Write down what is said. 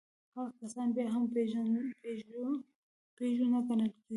هغه کسان بيا هم پيژو نه ګڼل کېږي.